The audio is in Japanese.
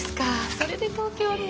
それで東京に。